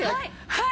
はい。